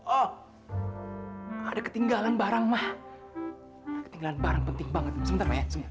oh ada ketinggalan barang ma ketinggalan barang penting banget sebentar maya sebentar ya